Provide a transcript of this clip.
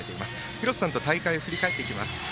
廣瀬さんと大会を振り返っていきます。